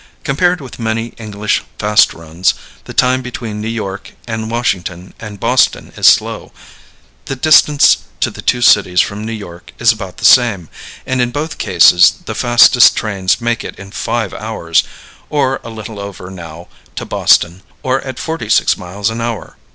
Compared with many English fast runs, the time between New York and Washington and Boston is slow. The distance to the two cities from New York is about the same, and in both cases the fastest trains make it in five hours (or a little over, now, to Boston), or at 46 miles an hour.